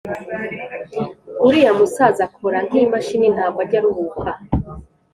uriya musaza akora nki mashini ntago ajya aruhuka